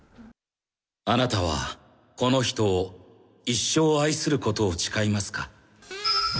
あなたはこの人を一生愛することを誓いますか？